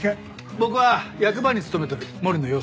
僕は役場に勤めとる森野洋輔。